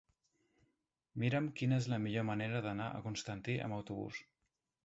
Mira'm quina és la millor manera d'anar a Constantí amb autobús.